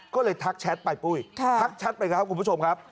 ก็เลยทักแชทไปปุ้ยทักแชทไปครับคุณผู้ชมครับ